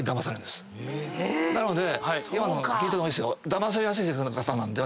なので今の聞いた方がいいです。